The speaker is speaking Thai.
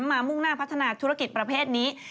มุ่งหน้าพัฒนาธุรกิจประเภทนี้